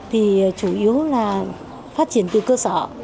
thì chủ yếu là phát triển từ cơ sở